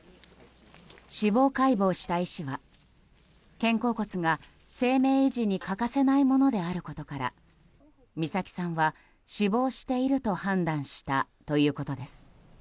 司法解剖した医師は肩甲骨が生命維持に欠かせないものであることから美咲さんは死亡していると判断したということです。